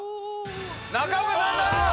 中岡さんだ！